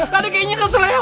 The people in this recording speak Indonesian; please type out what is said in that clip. tuh tadi kayaknya keselnya